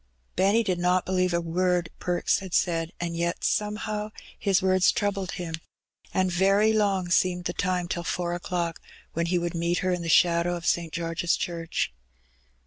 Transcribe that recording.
Benny did not believe a word Perks had said; and yet, somehow, his words troubled him, and very long seemed the time till four o'clock, when he would meet her in the shadow of St. George's Church.